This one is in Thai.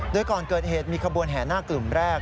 โดยก่อนเกิดเหตุมีขบวนแห่หน้ากลุ่มแรก